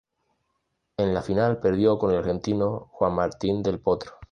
En la final perdió con el argentino Juan Martín del Potro.